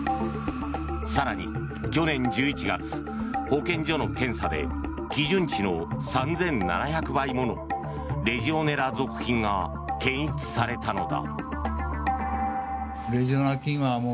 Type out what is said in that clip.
更に、去年１１月保健所の検査で基準値の３７００倍ものレジオネラ属菌が検出されたのだ。